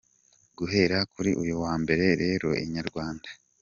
Guhera kuri uyu wa Mbere rero Inyarwanda.